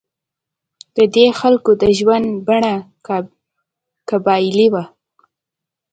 د دې خلکو د ژوند بڼه قبایلي وه.